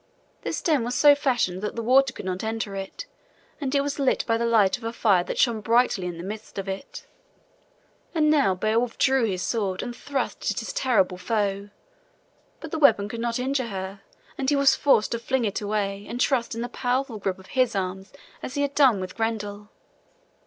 This den was so fashioned that the water could not enter it, and it was lit by the light of a fire that shone brightly in the midst of it. And now Beowulf drew his sword and thrust at his terrible foe; but the weapon could not injure her, and he was forced to fling it away and trust in the powerful grip of his arms as he had done with Grendel.